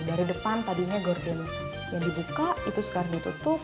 dari depan tadinya gordon yang dibuka itu sekarang ditutup